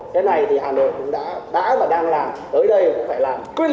thế này thì hà nội cũng đã và đang làm tới đây cũng phải làm quyết liệt và bằng những hành động cụ thể